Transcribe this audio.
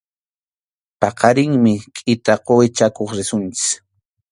Paqarinmi kʼita quwi chakuq risunchik.